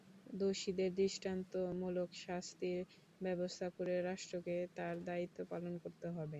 দোষীদের দৃষ্টান্তমূলক শাস্তির ব্যবস্থা করে রাষ্ট্রকে তার দায়িত্ব পালন করতে হবে।